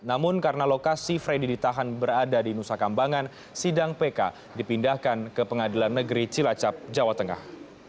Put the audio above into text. namun karena lokasi freddy ditahan berada di nusa kambangan sidang pk dipindahkan ke pengadilan negeri cilacap jawa tengah